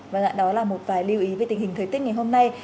và ngại đó là một vài lưu ý về tình hình thời tiết ngày hôm nay